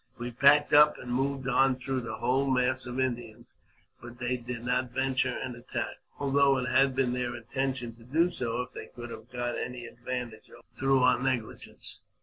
We packed up, and moved on through the whole mass of Indians, but they did not venture an attack, although it had been their intention to do so if they could have got any advantage over us through our negligence.